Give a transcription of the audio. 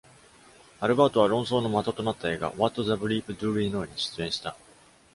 アルバートは論争の的となった映画 What the Bleep Do We Know!? に出演した。